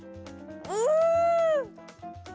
うん。